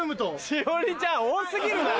栞里ちゃん多過ぎる。